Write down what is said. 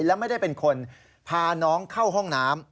และไม่ได้เป็นคนพาน้องเข้าห้องน้ำ